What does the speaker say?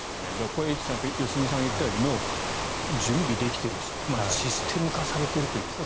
これはエイトさん良純さんが言ったようにもう準備できているシステム化されているというか。